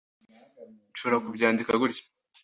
nshobora kubyandika gutya